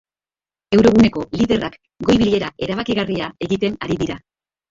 Euroguneko liderrak goi-bilera erabakigarria egiten ari dira.